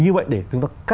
như vậy để chúng ta